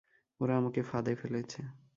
ওরা আমাকে ফাঁদে ফেলেছে।